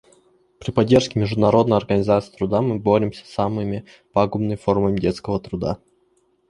При поддержке Международной организации труда мы боремся с самыми пагубными формами детского труда.